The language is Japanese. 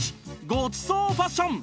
ごちそうファッション！